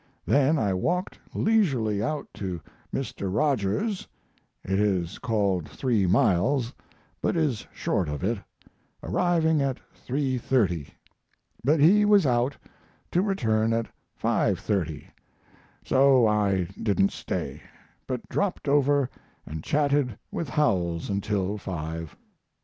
Then I walked leisurely out to Mr. Rogers's (it is called 3 miles, but is short of it), arriving at 3.30, but he was out to return at 5.30 so I didn't stay, but dropped over and chatted with Howells until five.